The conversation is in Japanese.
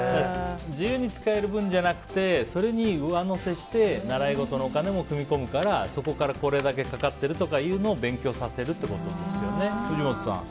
自由に使える分じゃなくてそれに上乗せして習い事のお金も組み込むからそこからこれだけかかっているとかを勉強させるってことですよね。